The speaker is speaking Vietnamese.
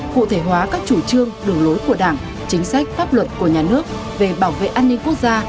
cụ thể hóa các chủ trương đường lối của đảng chính sách pháp luật của nhà nước về bảo vệ an ninh quốc gia